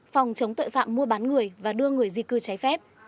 phòng chống tội phạm mua bán người và đưa người di cư trái phép